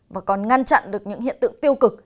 và còn ngăn chặn được những hiện tượng tiêu cực